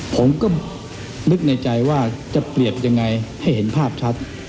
ผมก็นึกในใจว่าจะเปรียบยังไงให้เห็นภาพชัด